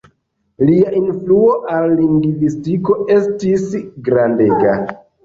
Lia influo al lingvistiko estis grandega.